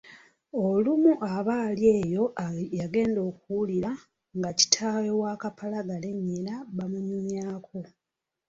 Olumu aba ali eyo yagenda okuwulira nga kitaawe wa Kapalaga ne nnyina bamunyumyako.